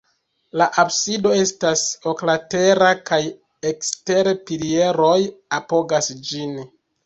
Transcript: La absido estas oklatera kaj ekstere pilieroj apogas ĝin.